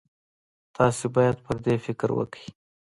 تاسې باید پر دې فکر وکړئ.